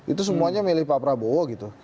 itu semuanya milih pak prabowo gitu